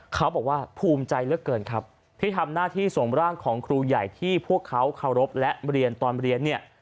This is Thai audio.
เขาบอกว่าภูมิใจเหลือเกินครับที่ทำหน้าที่ส่งร่างของครูใหญ่ที่พวกเขาเคารพและเรียนตอนเรียนเนี่ย